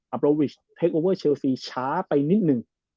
อัปราโมวิชเชิลซีเทคโอเวอร์ช้าไปนิดนึง